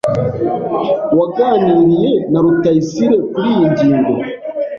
Waganiriye na Rutayisire kuriyi ngingo?